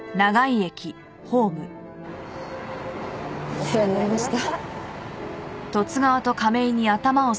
お世話になりました。